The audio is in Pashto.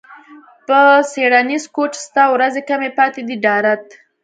په څیړنیز کوچ ستا ورځې کمې پاتې دي ډارت